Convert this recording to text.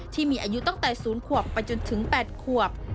ที่มีอายุตั้งแต่๐ขวบไปจนถึง๘ขวบ